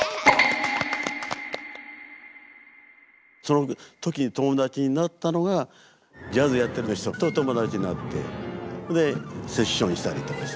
その時友達になったのがジャズやってる人と友達になって。でセッションしたりとかして。